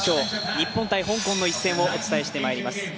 日本×香港の一戦をお伝えしてまいります。